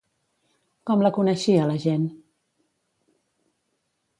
Com la coneixia la gent?